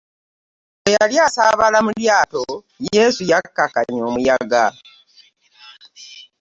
Bwe yali asaabala mu lyato Yesu yakkakkanya omuyaga.